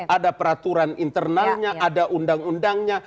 ada peraturan internalnya ada undang undangnya